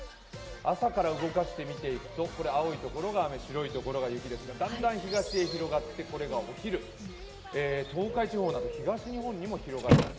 朝から動かして見ていくと青い所が雨、白い所が雪ですが、だんだん東へ広がってこれがお昼、東海地方など東日本にも広がります。